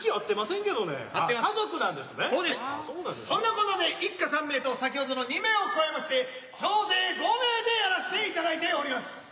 そんなこんなで一家３名と先ほどの２名を加えまして総勢５名でやらしていただいております。